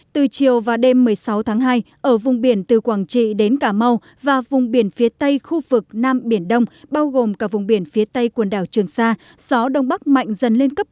từ chiều và đêm một mươi sáu tháng hai ở vùng biển từ quảng trị đến cà mau và vùng biển phía tây khu vực nam biển đông bao gồm cả vùng biển phía tây quần đảo trường sa gió đông bắc mạnh dần lên cấp sáu